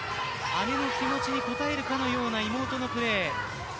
姉の気持ちに応えるかのような妹のプレー。